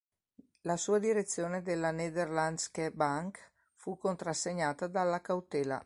La sua direzione della Nederlandsche Bank fu contrassegnata dalla cautela.